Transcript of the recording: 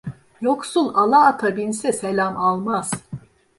Yoksul ala ata binse, selam almaz.